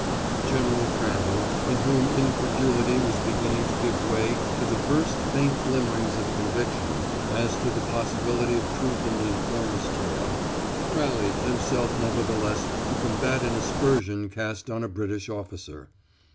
General Crandall, in whom incredulity was beginning to give way to the first faint glimmerings of conviction as to the possibility of truth in the informer's tale, rallied himself nevertheless to combat an aspersion cast on a British officer.